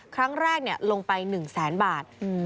ครั้งแรกลงไป๑แสนบาท